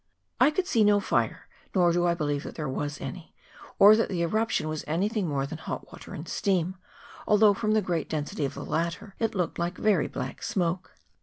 I could see no fire, nor do I believe that there was any, or that the eruption was anything more than hot water and steam, although, from the great density of the latter, it looked like very black smoke.